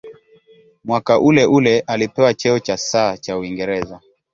Mwaka uleule alipewa cheo cha "Sir" cha Uingereza.